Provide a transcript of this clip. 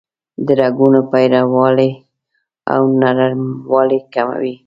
د رګونو پیړوالی او نرموالی کموي.